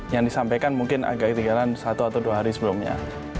yang disampaikan mungkin agak ketinggalan satu atau dua hari sebelumnya